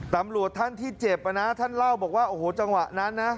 ตำรวจท่านที่เจ็บนะท่านเล่าบอกว่าโอ้โหจังหวะนั้นนะ